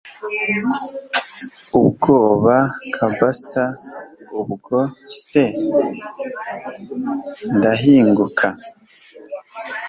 ubwoba kabsa ubwo se ndahinguka